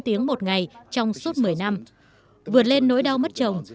tiếng một ngày trong suốt một mươi năm vượt lên nỗi đau mất chồng